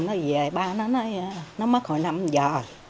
rồi về ba nó nói nó mất hồi năm giờ